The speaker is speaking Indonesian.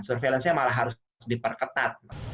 surveillance nya malah harus diperketat